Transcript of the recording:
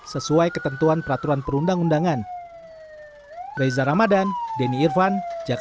sesuai ketentuan peraturan perundang undangan